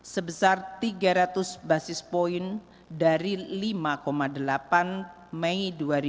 sebesar tiga ratus basis point dari lima delapan mei dua ribu dua puluh